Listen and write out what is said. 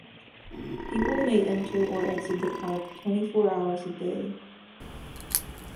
People may enter or exit the park twenty-four hours a day.